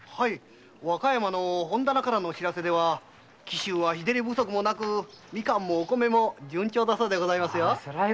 和歌山からの報せでは紀州は日照り不足もなくみかんもお米も順調だそうでございますよ。